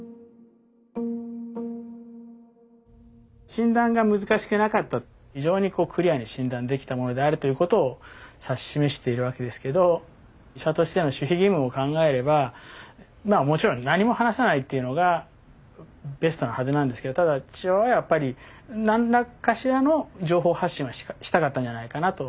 診断が難しくなかった非常にクリアに診断できたものであるということを指し示しているわけですけど医者としての守秘義務を考えればまあもちろん何も話さないっていうのがベストなはずなんですけどただ父親はやっぱり何かしらの情報発信はしたかったんじゃないかなと。